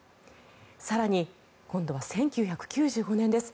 更に、今度は１９９５年です。